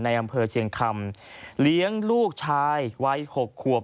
อำเภอเชียงคำเลี้ยงลูกชายวัย๖ขวบ